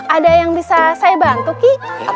ada yang bisa saya bantu ki